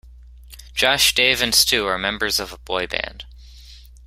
Josh, Dave and Stu are members of a boy band.